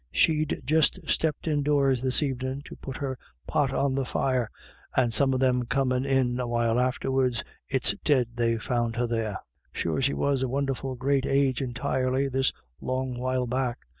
She'd just stepped indoors this evenin' to put her pot on the fire, and some of them comin' in a while afterwards, it's dead they found her there. Sure she was a wonderful great age entirely this long while back.